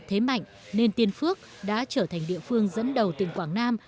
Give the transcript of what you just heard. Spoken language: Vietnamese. thế mạnh nên tiên phước đã trở thành địa phương dẫn đầu tỉnh quảng nam